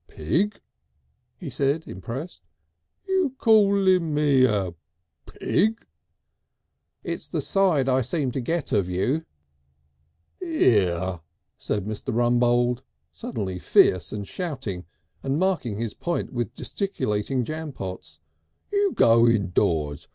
"Pig!" he said, impressed. "You calling me a pig?" "It's the side I seem to get of you." "'Ere," said Mr. Rumbold, suddenly fierce and shouting and marking his point with gesticulated jampots, "you go indoors.